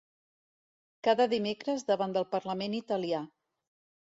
Cada dimecres davant del parlament italià.